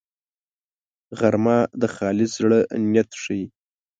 غرمه د خالص زړه نیت ښيي